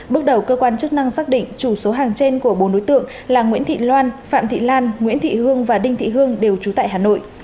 bước đầu cơ quan chức năng xác định chủ số hàng trên của bốn đối tượng là nguyễn thị loan phạm thị lan nguyễn thị hương và đinh thị hương đều trú tại hà nội